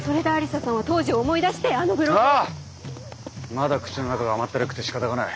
まだ口の中が甘ったるくてしかたがない。